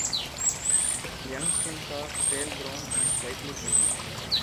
Young skinks are pale brown and slightly pinkish.